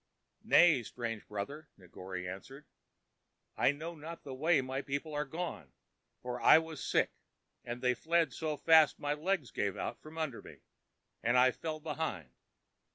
"Nay, strange brother," Negore answered, "I know not the way my people are gone, for I was sick, and they fled so fast my legs gave out from under me, and I fell behind."